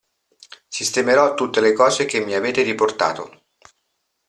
Sistemerò tutte le cose che mi avete riportato!